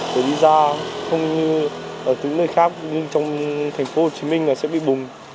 để đi ra không như ở tỉnh nơi khác như trong thành phố hồ chí minh là sẽ bị bùng